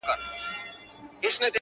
څه پروا که نښانې یې یا ورکیږي یا پاتیږي؛